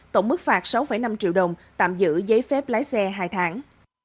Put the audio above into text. tổng mức phạt sáu năm triệu đồng tạm giữ giấy phép lái xe hai tháng